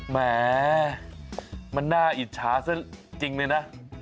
แหมมันน่าอิจฉาซะจริงเลยนะ